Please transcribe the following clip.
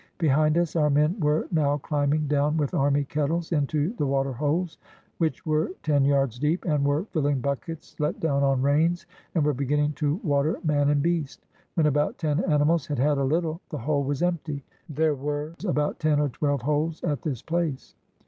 Behind us our men were now chmbing down with army kettles into the water holes, which were ten yards deep, and were filling buckets let down on reins and were beginning to water man and beast. When about ten animals had had a little, the hole was empty. There were about ten or twelve holes at this place.